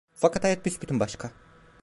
Fakat hayat büsbütün başka…